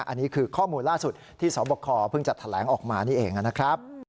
อันนี้คือข้อมูลล่าสุดที่สบคเพิ่งจะแถลงออกมานี่เองนะครับ